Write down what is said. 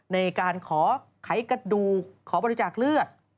ในการขอไขกระดูกขอบริจาคเลือด